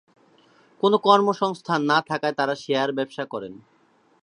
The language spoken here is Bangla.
কোনো কর্মসংস্থান না থাকায় তারা শেয়ার ব্যবসা করেন।